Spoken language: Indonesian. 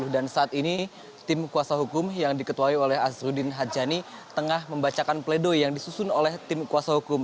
saat ini tim kuasa hukum yang diketuai oleh azrudin hajani tengah membacakan pledoi yang disusun oleh tim kuasa hukum